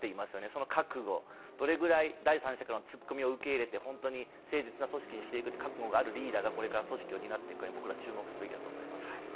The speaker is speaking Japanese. その覚悟、どれくらい第三者からのツッコミを受け入れて誠実な組織にしていく覚悟があるリーダーが組織を担っていくか、僕らは注目すべきだと思います。